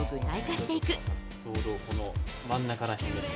ちょうどこの真ん中ら辺ですね。